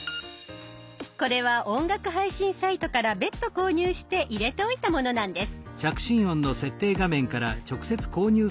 これは音楽配信サイトから別途購入して入れておいたものなんです。